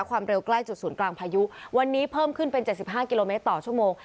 ความเร็วใกล้จุดศูนย์กลางพายุวันนี้เพิ่มขึ้นเป็น๗๕กิโลเมตรต่อชั่วโมง